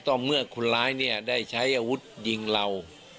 ก็เมื่อคนร้ายเนี่ยได้ใช้อาวุธยิงเรา